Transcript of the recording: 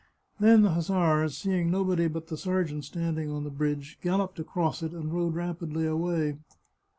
Then the hussars, seeing nobody but the ser geant standing on the bridge, galloped across it and rode rapidly away.